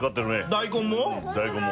大根も。